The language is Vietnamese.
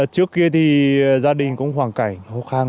trước kia thì gia đình cũng hoảng cảnh khô khăn